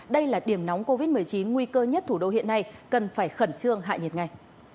đây là điểm nóng covid một mươi chín nguy cơ nhất thủ đô hiện nay cần phải khẩn trương hạ nhiệt ngay